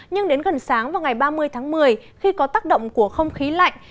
nhưng đến gần sáng vào ngày ba mươi tháng một mươi khi có tác động của không khí lạnh